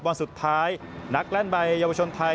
วันสุดท้ายนักเล่นใบเยาวชนไทย